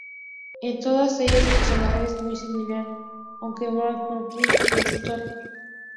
En todas ellas su personalidad es muy similar, aunque en "Mai-Otome" es más torpe.